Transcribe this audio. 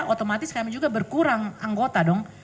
otomatis kami juga berkurang anggota dong